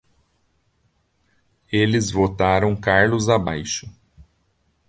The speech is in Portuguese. Eles votaram Carlos abaixo!